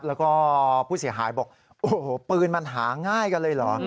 แล้วก็ผู้เสียหายบอกโอ้โหปืนมันหาง่ายกันเลยเหรอ